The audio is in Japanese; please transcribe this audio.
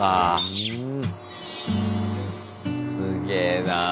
すげえなぁ。